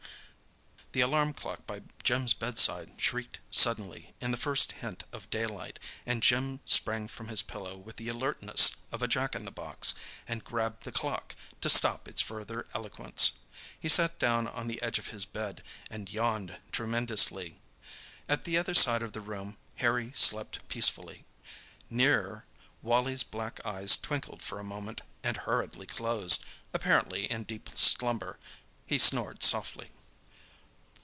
"Whirr r r!" The alarm clock by Jim's bedside shrieked suddenly in the first hint of daylight, and Jim sprang from his pillow with the alertness of a Jack in the box, and grabbed the clock, to stop its further eloquence. He sat down on the edge of his bed, and yawned tremendously. At the other side of the room Harry slept peacefully. Nearer Wally's black eyes twinkled for a moment, and hurriedly closed, apparently in deep slumber. He snored softly.